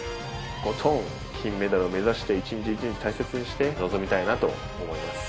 とことん金メダルを目指して、一日一日大切にして臨みたいなと思います。